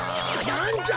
なんじゃ？